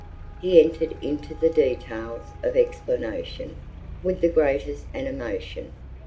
He entered into the details of explanation with the greatest animation.